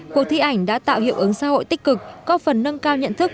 cuộc thi ảnh đã tạo hiệu ứng xã hội tích cực có phần nâng cao nhận thức